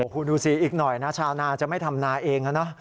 คุณดูสิอีกหน่อยนะชาวนาจะไม่ทำนาเองนะ